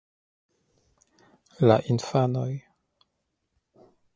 La infanoj!